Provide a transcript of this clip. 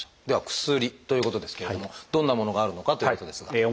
では「薬」ということですけれどもどんなものがあるのかということですが。